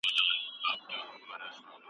آیا مېلمه پالنه تر بخیلي ښه صفت دی؟